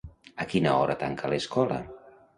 A quina hora tanca l'escola?